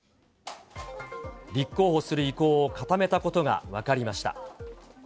立候補する意向を固めたことが分かりました。